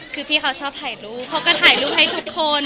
คือพี่เขาชอบถ่ายรูปเขาก็ถ่ายรูปให้ทุกคน